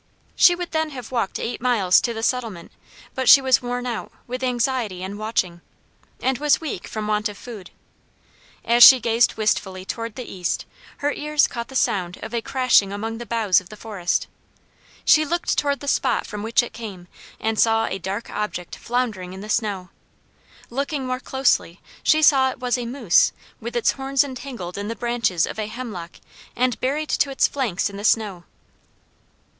She would then have walked eight miles to the settlement but she was worn out with anxiety and watching, and was weak from want of food. As she gazed wistfully toward the east, her ears caught the sound of a crashing among the boughs of the forest. She looked toward the spot from which it came and saw a dark object floundering in the snow. Looking more closely she saw it was a moose, with its horns entangled in the branches of a hemlock and buried to its flanks in the snow.